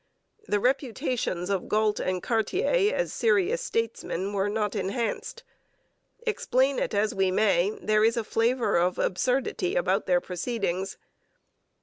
The reputations of Galt and Cartier as serious statesmen were not enhanced. Explain it as we may, there is a flavour of absurdity about their proceedings.